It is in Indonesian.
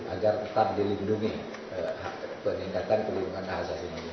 agar tetap dilindungi peningkatan perlindungan hak asasi manusia